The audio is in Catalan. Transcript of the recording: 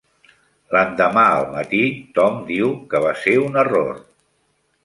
L'endemà al matí, Tom diu que va ser un error.